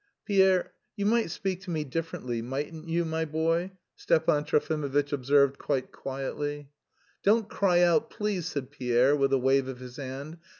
"Pierre, you might speak to me differently, mightn't you, my boy," Stepan Trofimovitch observed quite quietly. "Don't cry out, please," said Pierre, with a wave of his hand.